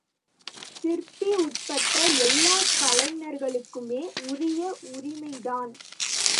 சிற்பி உட்பட்ட எல்லாக் கலைஞர்களுக்குமே உரிய உரிமைதான்.